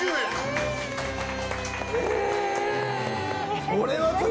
えっ！？